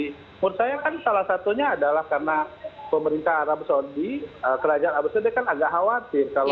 menurut saya kan salah satunya adalah karena pemerintah arab saudi kerajaan arab saudi kan agak khawatir